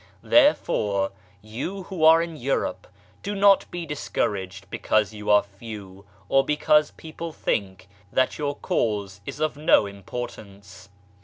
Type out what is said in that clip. Therefore, you who are in Europe, do not be dis couraged because you are few or because people think that your Cause is of no importance.